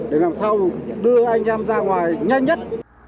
để làm sao đưa anh em ra ngoài nhanh nhất